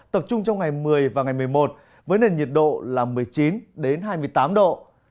tập trung trong ngày một mươi và ngày một mươi một với nền nhiệt độ là một mươi chín hai mươi tám độ